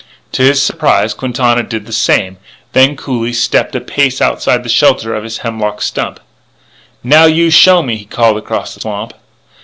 To his surprise, Quintana did the same, then coolly stepped a pace outside the shelter of his hemlock stump. "You show me now!" he called across the swamp.